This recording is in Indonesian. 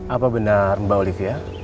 apa benar mbak olivia